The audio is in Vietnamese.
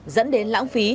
dẫn đến lãng phí